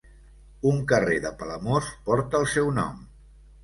Un carrer de Palamós porta el seu nom.